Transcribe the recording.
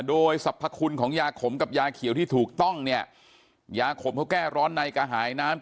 โดยสรรพคุณของยาขมกับยาเขียวที่ถูกต้องเนี่ยยาขมเขาแก้ร้อนในกระหายน้ำ